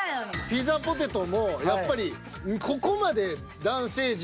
ピザポテトもやっぱりここまで男性陣が。